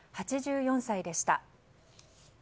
８４歳でした。